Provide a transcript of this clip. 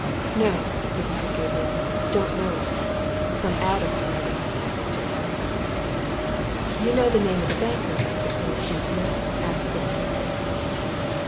"No!" replied Gabriel. "Don't know it!" "From Adam's writing," added Joseph. "You know the name of the bankers, I suppose, gentlemen?" asked the detective.